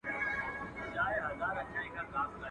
چا په ورا کي نه پرېښاوه، ده ول د مخ اوښ زما دئ.